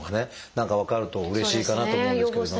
何か分かるとうれしいかなと思うんですけども。